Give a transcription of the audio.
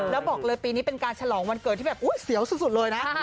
แล้วบอกเลยปีนี้เป็นการฉลองวันเกิดที่แบบอุ๊ยเสียวสุดเลยนะ